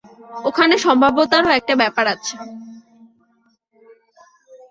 ওখানে সম্ভাব্যতার একটা ব্যাপার আছে।